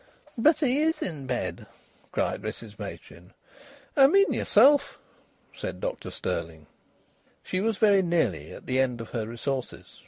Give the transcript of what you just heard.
"But he's in bed," cried Mrs Machin. "I mean yerself," said Dr Stirling. She was very nearly at the end of her resources.